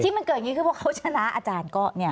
มันเกิดอย่างนี้คือเพราะเขาชนะอาจารย์ก็เนี่ย